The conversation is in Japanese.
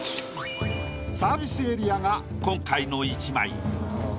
サービスエリアが今回の一枚。